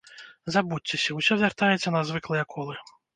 Забудзьцеся, усё вяртаецца на звыклыя колы.